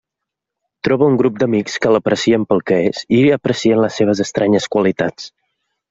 Troba un grup d'amics que l'aprecien pel que és i aprecien les seves estranyes qualitats.